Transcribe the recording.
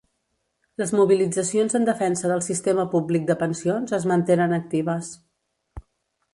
Les mobilitzacions en defensa del sistema públic de pensions es mantenen actives.